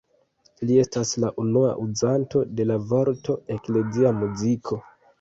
Li estas la unua uzanto de la vorto „eklezia muziko“.